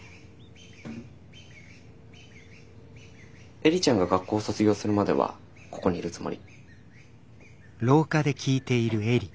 映里ちゃんが学校卒業するまではここにいるつもり。